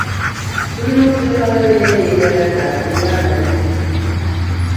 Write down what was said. Tulina okuteekawo embeera eyeyagaza eri abayizi.